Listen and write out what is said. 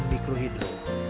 dan mesin mikro hidro